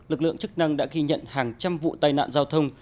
lực lượng chức năng đã ghi nhận hàng trăm vụ tai nạn giao thông